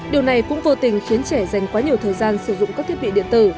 điều này cũng vô tình khiến trẻ dành quá nhiều thời gian sử dụng các thiết bị điện tử